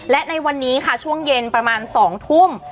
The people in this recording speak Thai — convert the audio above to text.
และในวันนี้ค่ะช่วงเย็นประมาณ๒ทุ่ม